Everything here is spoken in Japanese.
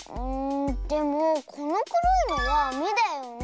でもこのくろいのはめだよねえ？